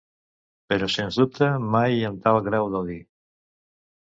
Però sens dubte mai amb tal grau d'odi.